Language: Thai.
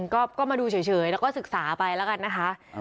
ก็มาดูเฉยแล้วก็ศึกษาไปแล้วกันนะคะ